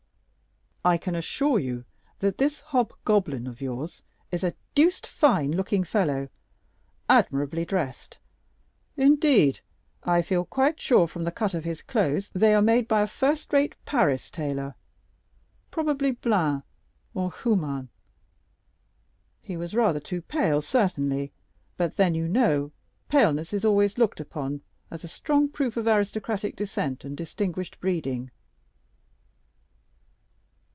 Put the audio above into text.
I can assure you that this hobgoblin of yours is a deuced fine looking fellow—admirably dressed. Indeed, I feel quite sure, from the cut of his clothes, they are made by a first rate Paris tailor—probably Blin or Humann. He was rather too pale, certainly; but then, you know, paleness is always looked upon as a strong proof of aristocratic descent and distinguished breeding."